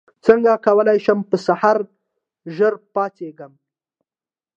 څنګه کولی شم په سهار ژر پاڅېږم